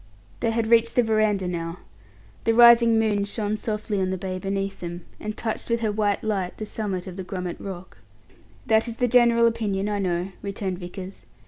They had reached the verandah now. The rising moon shone softly on the bay beneath them, and touched with her white light the summit of the Grummet Rock. "That is the general opinion, I know," returned Vickers.